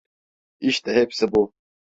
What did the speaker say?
İşte hepsi bu.